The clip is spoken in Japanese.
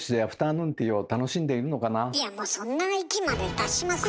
いやもうそんな域まで達しませんよ。